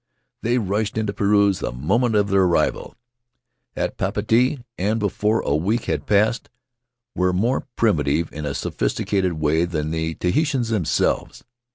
They rushed into parens the moment of their arrival at Papeete, and before a week had passed were more primitive in a sophisticated way than the Tahitians themselves.